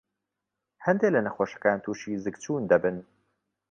هەندێ لە نەخۆشەکان تووشى زگچوون دەبن.